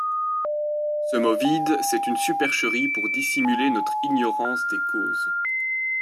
Ce mot vide c'est une supercherie pour dissimuler notre ignorance des causes !